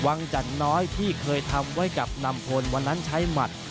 จันน้อยที่เคยทำไว้กับนำพลวันนั้นใช้หมัด